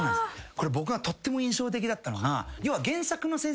これ僕がとっても印象的だったのが要は。